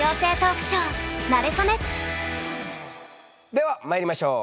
ではまいりましょう！